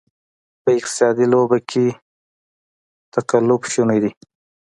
په اقتصادي لوبه کې تقلب شونې دی.